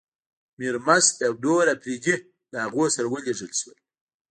میرمست او نور اپرېدي له هغوی سره ولېږل شول.